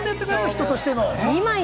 人としての。